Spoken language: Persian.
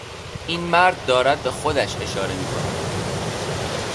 این مرد دارد به خودش اشاره میکند.